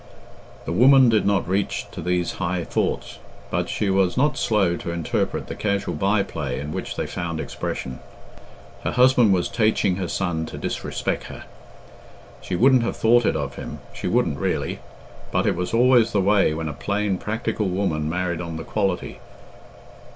The woman did not reach to these high thoughts, but she was not slow to interpret the casual byplay in which they found expression. Her husband was taiching her son to dis respeck her. She wouldn't have thought it of him she wouldn't really. But it was always the way when a plain practical woman married on the quality.